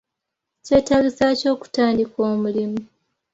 Kyetaagisa ki okutandika omulimu?